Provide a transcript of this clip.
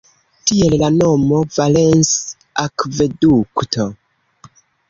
Tiel la nomo Valens-akvedukto.